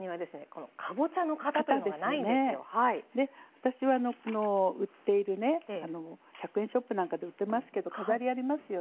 私はこの売っているね１００円ショップなんかで売ってますけど飾りありますよね。